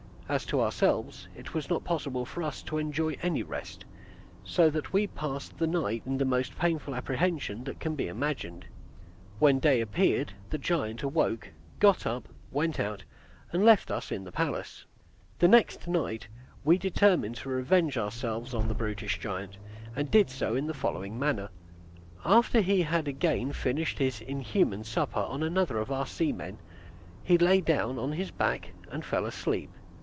As to ourselves, it was not possible for us to enjoy any rest, so that we passed the night in the most painful apprehension that can be imagined. When day appeared the giant awoke, got up, went out, and left us in the palace. The next night we determined to revenge ourselves on the brutish giant, and did so in the following manner. After he had again finished his inhuman supper on another of our seamen, he lay down on his back, and fell asleep.